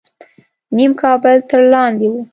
نیم کابل تر لاندې و.